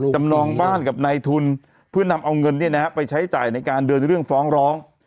จำนองบ้านกับนายทุนเพื่อนำเอาเงินไปใช้จ่ายในการเดินเรื่องฟ้องร้อง